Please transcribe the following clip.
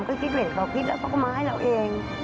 ก็คิดเลยก็เอาคิดแล้วก็มาให้เราเอง